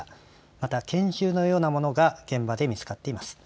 また拳銃のようなものが現場で見つかっています。